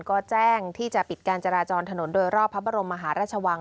ก็แจ้งที่จะปิดการจราจรถนนโดยรอบพระบรมมหาราชวัง